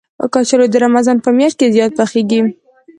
کچالو د رمضان په میاشت کې زیات پخېږي